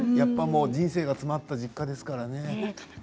人生が詰まった実家ですからね。